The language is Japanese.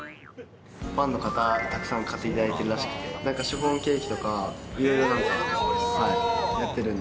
ファンの方、たくさん買っていただいてるらしくて、なんかシフォンケーキとか、いろいろなん